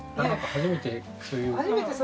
初めてそういう話をね。